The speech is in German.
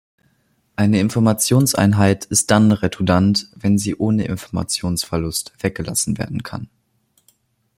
Eine Informationseinheit ist dann redundant, wenn sie ohne Informationsverlust weggelassen werden kann.